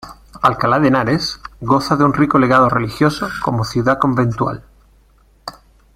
Alcalá de Henares goza de un rico legado religioso como ciudad conventual.